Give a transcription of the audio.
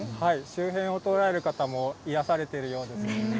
周辺を通られる方も癒やされてるようです。